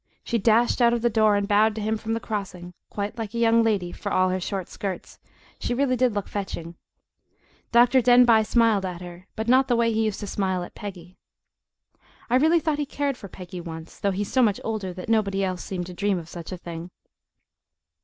She dashed out of the door and bowed to him from the crossing, quite like a young lady, for all her short skirts she really did look fetching! Dr. Denbigh smiled at her, but not the way he used to smile at Peggy. I really thought he cared for Peggy once, though he's so much older that nobody else seemed to dream of such a thing.